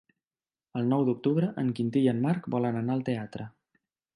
El nou d'octubre en Quintí i en Marc volen anar al teatre.